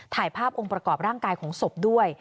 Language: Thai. ถ่ายภาพองค์ประกอบร่างกายของศพด้วย